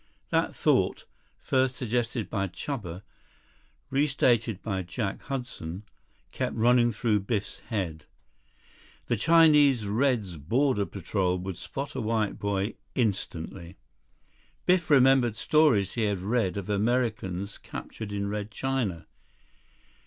That thought, first suggested by Chuba, restated by Jack Hudson, kept running through Biff's head. The Chinese Reds' border patrol would spot a white boy instantly. Biff remembered stories he had read of Americans captured in Red China.